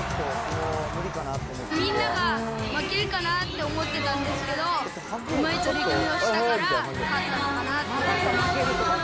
みんなが負けるかなって思ってたんですけど、うまい取り組みをしたから勝ったのかなと。